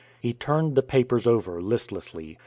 He turned the papers over listlessly.